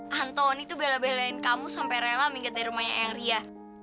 antoni tuh bela belain kamu sampai rela minggat dari rumahnya eyang ria